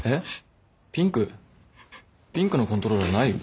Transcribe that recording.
ピンクのコントローラーないよ。